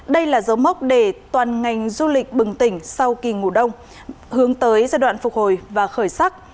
đây là dấu mốc để toàn ngành du lịch bừng tỉnh sau kỳ ngủ đông hướng tới giai đoạn phục hồi và khởi sắc